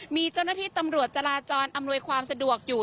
มีเจ้าหน้าที่ตำรวจจราจรอำนวยความสะดวกอยู่